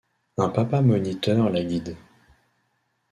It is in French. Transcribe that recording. Un papa moniteur la guide.